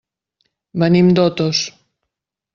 Venim d'Otos.